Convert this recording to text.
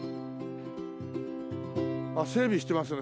あっ整備してますね。